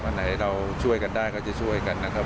อันไหนเราช่วยกันได้ก็จะช่วยกันนะครับ